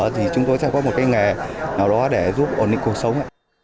thì chúng tôi sẽ có một nghề nào đó để giúp những cuộc sống